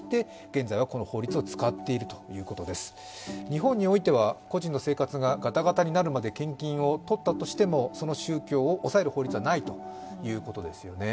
日本においては個人の生活がガタガタになるまで献金を取ったとしても、その宗教をおさえる法律はないということですよね。